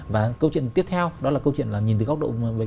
và câu chuyện tiếp theo đó là câu chuyện là nhìn từ góc độ về cả năng lực